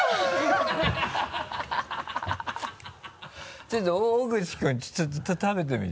ちょっと大口君ちょっと食べてみて。